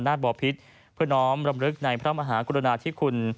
อรุณเดชน์บรมนาศบ่อผิดเพื่อน้องรำวึกในพระมหากุฎณาที่คน